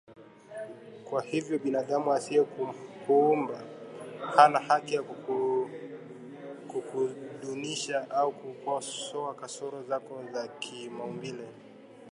Kwa hivyo, binadamu asiyekuumba hana haki ya kukudunisha au kukosoa kasoro zako za kimaumbile